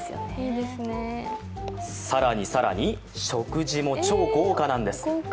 更に更に食事も超豪華なんです。